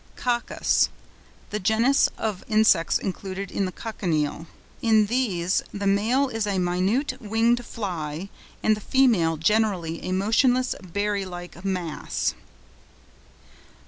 COCCUS.—The genus of Insects including the Cochineal. In these the male is a minute, winged fly, and the female generally a motionless, berry like mass.